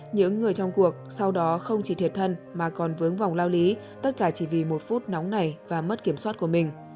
những người trong cuộc sau đó không chỉ thiệt thân mà còn vướng vòng lao lý tất cả chỉ vì một phút nóng này và mất kiểm soát của mình